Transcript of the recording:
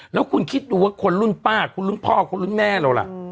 แล้วคุณคิดดูว่าคนรุ่นป้าคุณรุ่นพ่อคุณรุ่นแม่เราล่ะ